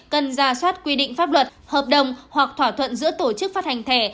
cần ra soát quy định pháp luật hợp đồng hoặc thỏa thuận giữa tổ chức phát hành thẻ